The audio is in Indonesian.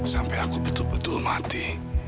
sampai aku betul betul mati